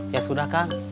ya sudah kang